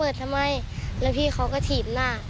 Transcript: ดนตา